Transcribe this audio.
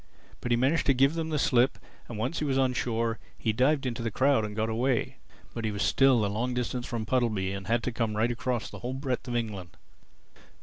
But he managed to give them the slip; and once he was on shore, he dived into the crowd and got away. But he was still a long distance from Puddleby and had to come right across the whole breadth of England.